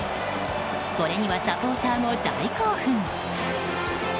これにはサポーターも大興奮。